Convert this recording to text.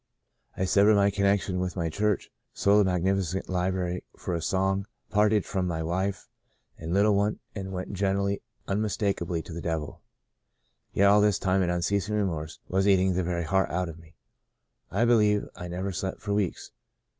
I severed my connection with my church, sold a mag nificent library for a song, parted from my wife and little one, and went generally and unmistakably to the devil. " Yet all this time an unceasing remorse was eating the very heart out of me. I be lieve I never slept for weeks.